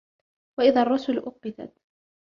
وإذا الرسل أقتت